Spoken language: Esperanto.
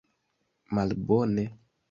Malbone!